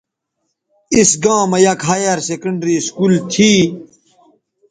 اِس گاں مہ یک ہائیر سیکنڈری سکول تھی